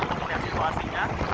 untuk melihat situasinya